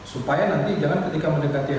supaya nanti jangan ketika mendekati